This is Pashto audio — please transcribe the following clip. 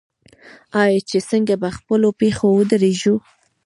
آیا چې څنګه په خپلو پښو ودریږو؟